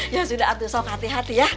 ya sudah abduh sok hati hati ya